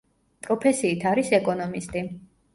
პროფესიით არის ეკონომისტი.